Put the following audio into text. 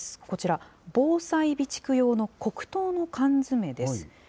こちら、防災備蓄用の黒糖の缶詰です。